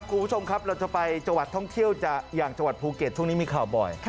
คุณผู้ชมครับเราจะไปจังหวัดท่องเที่ยวจากอย่างจังหวัดภูเก็ตช่วงนี้มีข่าวบ่อย